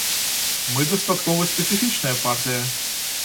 Мы дастаткова спецыфічная партыя.